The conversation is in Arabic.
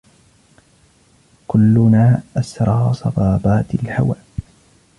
كلّنا أسرى صبابات الهوى